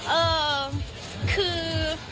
เอ่อคือ